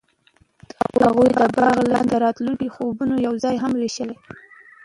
هغوی د باغ لاندې د راتلونکي خوبونه یوځای هم وویشل.